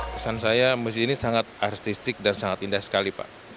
pesan saya masjid ini sangat artistik dan sangat indah sekali pak